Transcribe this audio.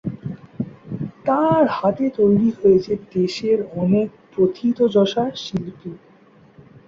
তার হাতে তৈরি হয়েছে দেশের অনেক প্রথিতযশা শিল্পী।